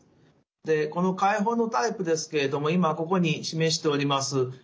でこの開放のタイプですけれども今ここに示しております